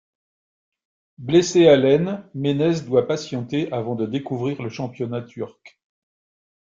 Blessé à l'aine, Ménez doit patienter avant de découvrir le championnat turc.